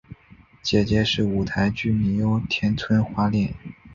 姐姐是舞台剧女优田村花恋。